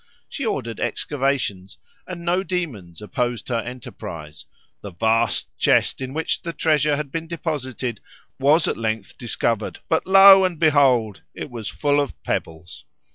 She ordered excavations, and no demons opposed her enterprise; the vast chest in which the treasure had been deposited was at length discovered, but lo and behold, it was full of pebbles!